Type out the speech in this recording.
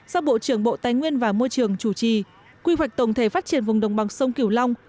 do bộ trưởng bộ tài nguyên và môi trường chủ trì quy hoạch tổng thể phát triển vùng đồng bằng sông cửu long